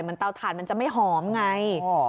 เตาถ่านมันจะไม่หอมไง